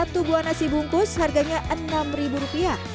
tubuhan nasi bungkus harganya rp enam